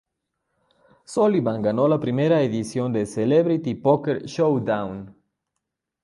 Sullivan ganó la primera edición de "Celebrity Poker Showdown".